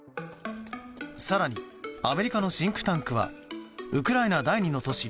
更に、アメリカのシンクタンクはウクライナ第２の都市